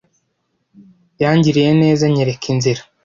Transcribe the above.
Yangiriye neza anyereka inzira.